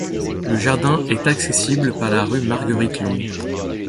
Le jardin est accessible par la rue Marguerite-Long.